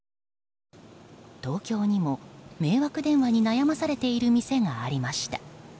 東京にも迷惑電話に悩まされている店がありました。